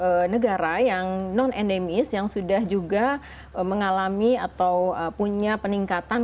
sekitar delapan puluh satu negara yang non endemis yang sudah juga mengalami atau punya peningkatan